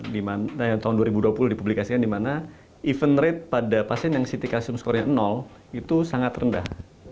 di mana tahun dua ribu dua puluh di publikasikan di mana event rate pada pasien yang ct calcium score yang nol itu sangat rendah